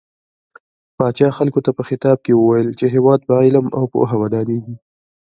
پاچا خلکو ته په خطاب کې وويل چې هيواد په علم او پوهه ودانيږي .